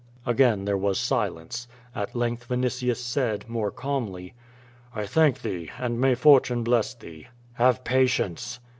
Again there was silence. At length Yinitius said, more calmly: "I thank thee, and may fortune bless thee." '*Have patience."